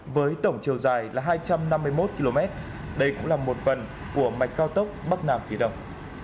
với tổng chiều dài là hai trăm năm mươi một km đây cũng là một phần của mạch cao tốc bắc nam kỳ đồng